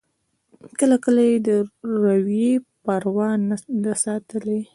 کله کله یې د روي پروا نه ده ساتلې.